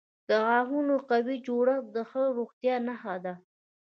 د غاښونو قوي جوړښت د ښه روغتیا نښه ده.